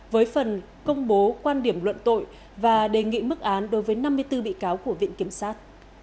với phần công bố quan điểm luận tội và đề nghị mức án đối với năm mươi bốn bị cáo của viện kiểm sát